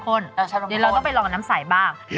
ชอบน้ำข้นเดี๋ยวเราต้องไปลองน้ำสายบ้าง